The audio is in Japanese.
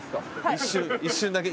一瞬一瞬だけ。